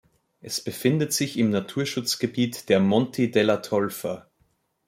Es befindet sich im Naturschutzgebiet der "Monti della Tolfa".